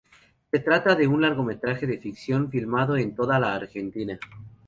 Se trata de un largometraje de ficción, filmado en toda la Argentina.